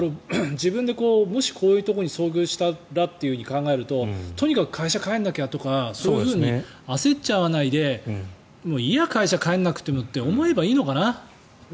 自分で、もしこういうところに遭遇したらって考えるととにかく会社に帰らなきゃとかそういうふうに焦っちゃわないでいいや、会社帰らなくてもって思えばいいのかな。